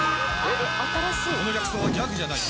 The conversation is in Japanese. この逆走はギャグじゃない。